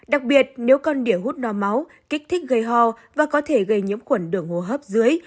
đặc biệt nếu con đỉa hút no máu kích thích gây ho và có thể gây nhiễm khuẩn đường hô hấp dưới